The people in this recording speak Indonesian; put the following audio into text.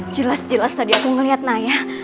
jelas jelas tadi aku ngeliat naya